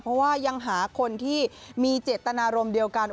เพราะว่ายังหาคนที่มีเจตนารมณ์เดียวกัน